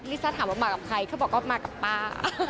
ซ่าถามว่ามากับใครเขาบอกว่ามากับป้า